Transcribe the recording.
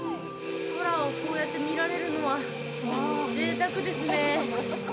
空をこうやって見られるのはぜいたくですね。